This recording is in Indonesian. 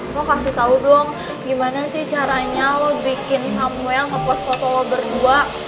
gue kasih tau dong gimana sih caranya lo bikin samuel ngepost foto lo berdua